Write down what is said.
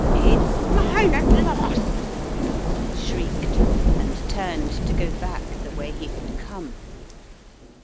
"It's mine at last!" he shrieked, and turned to go back the way he had come.